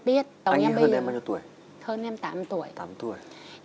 biết tổng em hơn em bao nhiêu tuổi hơn em tám tuổi tám tuổi